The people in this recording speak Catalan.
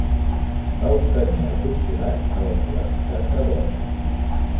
Va obtenir el doctorat a la Universitat de Bonn.